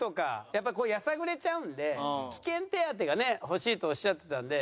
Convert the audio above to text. やっぱこうやさぐれちゃうんで危険手当がね欲しいとおっしゃってたんで。